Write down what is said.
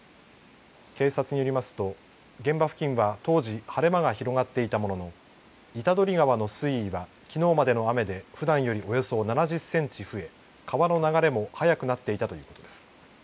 警察によりますと現場付近は当時晴れ間が広がっていたものの板取川の水位はきのうまでの雨でふだんからおよそ７０センチ増え川の流れも速くなっていたということです。